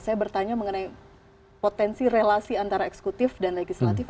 saya bertanya mengenai potensi relasi antara eksekutif dan legislatif